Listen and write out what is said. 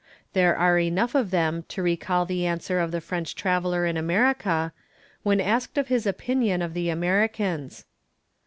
There are enough of them to recall the answer of the French traveler in America, when asked of his opinion of the Americans.